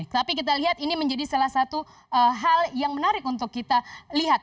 tapi kita lihat ini menjadi salah satu hal yang menarik untuk kita lihat